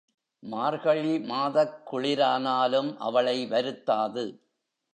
மார்கழி மாதக் குளிரானாலும் அவளை வருத்தாது.